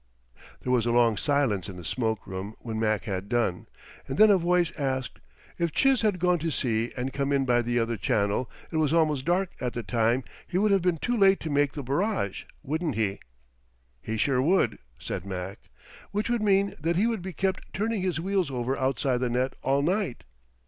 There was a long silence in the smoke room when Mac had done, and then a voice asked: "If Chiz had gone to sea and come in by the other channel it was almost dark at the time he would have been too late to make the barrage, wouldn't he?" "He sure would," said Mac. "Which would mean that he would be kept turning his wheels over outside the net all night?"